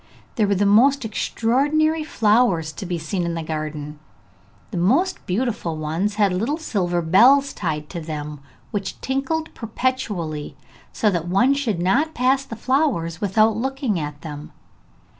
There were the most extraordinary flowers to be seen in the garden; the most beautiful ones had little silver bells tied to them, which tinkled perpetually, so that one should not pass the flowers without looking at them.